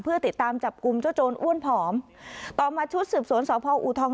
เพื่อติดตามจับกลุ่มเจ้าโจรอ้วนผอมต่อมาชุดสืบสวนสพอูทอง